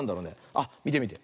あっみてみて。